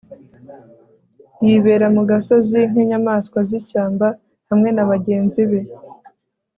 yibera mu gasozi nk'inyamaswa z'ishyamba hamwe na bagenzi be